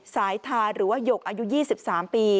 ทาหรือว่าหยกอายุ๒๓ปี